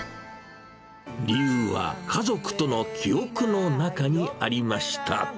理由は、家族との記憶の中にありました。